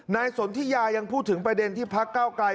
สนทิยายังพูดถึงประเด็นที่พักเก้าไกล